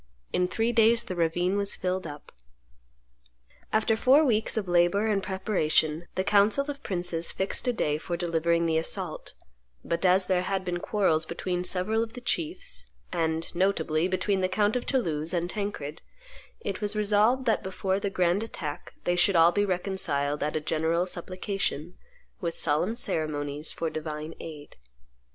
In three days the ravine was filled up. After four weeks of labor and preparation, the council of princes fixed a day for delivering the assault; but as there had been quarrels between several of the chiefs, and, notably, between the count of Toulouse and Tancred, it was resolved that before the grand attack they should all be reconciled at a general supplication, with solemn ceremonies, for divine aid.